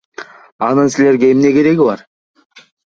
Анын силерге эмне кереги бар?